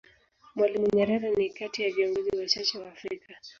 Mwalimu Nyerere ni kati ya viingozi wachache wa Afrika